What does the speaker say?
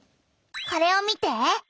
これを見て。